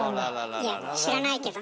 いや知らないけどね